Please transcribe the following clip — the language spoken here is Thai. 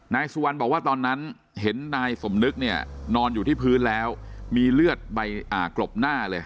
นายสุวรรณบอกว่าตอนนั้นเห็นนายสมนึกเนี่ยนอนอยู่ที่พื้นแล้วมีเลือดใบกลบหน้าเลย